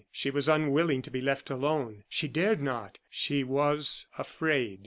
She was unwilling to be left alone she dared not she was afraid.